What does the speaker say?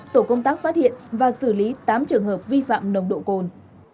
tổ công tác phát hiện và xử lý tám trường hợp vi phạm nồng độ cồn